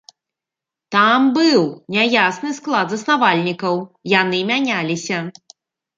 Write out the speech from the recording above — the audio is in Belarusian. Там быў няясны склад заснавальнікаў, яны мяняліся.